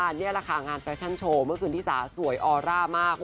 อันนี้แหละค่ะงานแฟชั่นโชว์เมื่อคืนที่สาสวยออร่ามาก